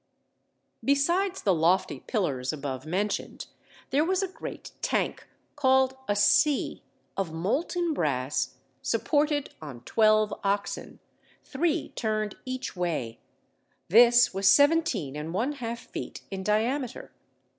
Besides the lofty pillars above mentioned, there was a great tank, called a sea, of molten brass, supported on twelve oxen, three turned each way; this was seventeen and one half feet in diameter.